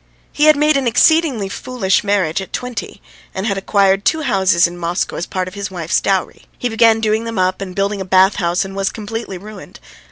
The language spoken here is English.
He had made an exceedingly foolish marriage at twenty, and had acquired two houses in Moscow as part of his wife's dowry. He began doing them up and building a bath house, and was completely ruined.